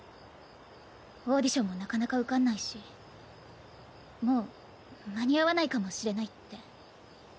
オーディションもなかなか受かんないしもう間に合わないかもしれないって。